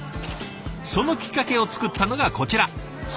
そのきっかけを作ったのがこちら齋藤さん。